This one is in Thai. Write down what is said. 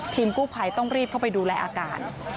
กู้ภัยต้องรีบเข้าไปดูแลอาการ